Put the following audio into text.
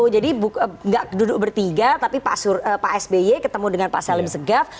jadi nggak duduk bertiga tapi pak sby ketemu dengan pak salim segaf